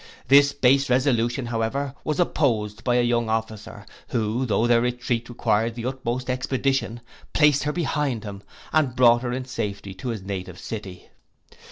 This base resolution, however, was opposed by a young officer, who, tho' their retreat required the utmost expedition, placed her behind him, and brought her in safety to his native city.